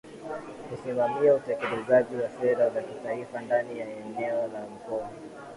kusimamia utekelezaji wa sera za Kitaifa ndani ya eneo la Mkoa